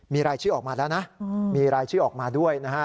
มีรายชื่อออกมาแล้วนะมีรายชื่อออกมาด้วยนะฮะ